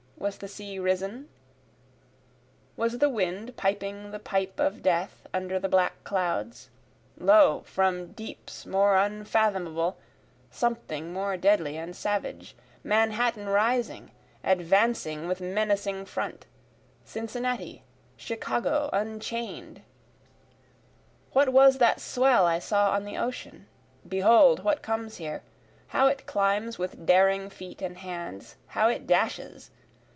was the sea risen? Was the wind piping the pipe of death under the black clouds? Lo! from deeps more unfathomable, something more deadly and savage, Manhattan rising, advancing with menacing front Cincinnati, Chicago, unchain'd; What was that swell I saw on the ocean? behold what comes here, How it climbs with daring feet and hands how it dashes!